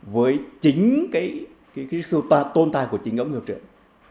với chính cái sự tôn tài của chính ông hiệu trưởng